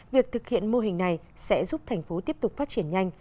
việc thực hiện mô hình này sẽ giúp thành phố tiếp tục phát triển nhanh